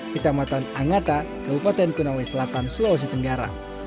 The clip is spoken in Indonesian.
kecamatan angata kabupaten konawe selatan sulawesi tenggara